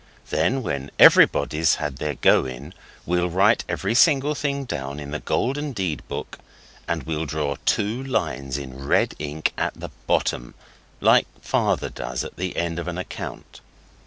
Then when everybody's had their go in we'll write every single thing down in the Golden Deed book, and we'll draw two lines in red ink at the bottom, like Father does at the end of an account.